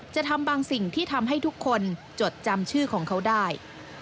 ทำบางสิ่งที่ทำให้ทุกคนจดจำชื่อของเขาได้